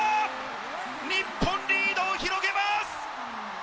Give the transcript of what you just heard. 日本、リードを広げます。